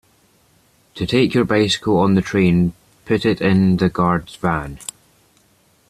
To take your bicycle on the train, put it in the guard’s van